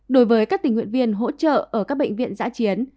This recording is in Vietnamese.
đối với các tình nguyện viên hỗ trợ ở các bệnh viện giã chiến